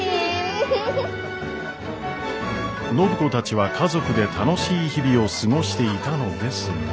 暢子たちは家族で楽しい日々を過ごしていたのですが。